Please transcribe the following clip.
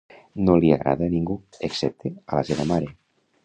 No li agrada a ningú, excepte a la seva mare.